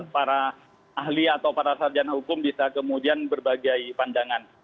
para ahli atau para sarjana hukum bisa kemudian berbagai pandangan